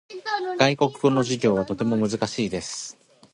外国語の授業はとても難しいです。